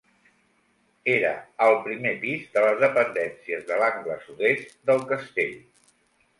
Era al primer pis de les dependències de l'angle sud-est del castell.